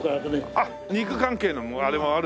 あっ肉関係のあれもあるんだ。